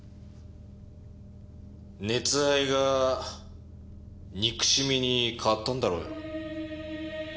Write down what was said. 「熱愛」が「憎しみ」に変わったんだろうよ。